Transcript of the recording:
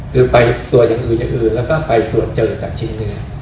คือไปตัวยังอื่นแล้วก็ไปตรวจเจอจากชิ้นเนื้อ